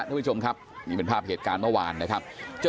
คุณตำรวจครับนี่ออกมาใจเย็นพี่เขาพี่เขาพี่เขา